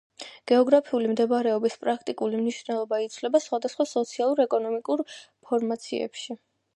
გეოგრაფიული მდებარეობის პრაქტიკული მნიშვნელობა იცვლება სხვადასხვა სოციალურ-ეკონომიკურ ფორმაციებში.